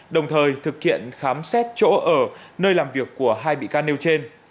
đồng thời thực hiện khám xét chỗ ở nơi làm việc của hai bị can nêu trên